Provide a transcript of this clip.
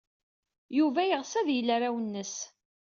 Yuba yeɣs ad yel arraw-nnes.